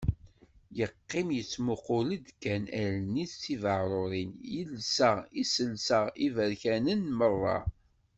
Yeqqim yettmuqul-d kan, Allen-is d tibaɛrurin, yelsa iselsa iberkanen merra.